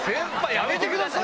やめてください。